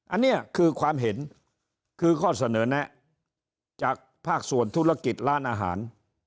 อันนี้คือความเห็นคือข้อเสนอแนะจากภาคส่วนธุรกิจร้านอาหาร